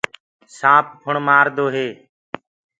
سآنپ ڦُڻ مآردو هي۔